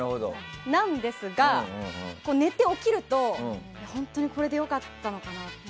なんですが、寝て起きると本当にこれで良かったのかなって。